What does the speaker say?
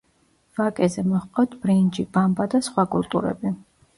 ვაკეზე მოჰყავთ ბრინჯი, ბამბა და სხვა კულტურები.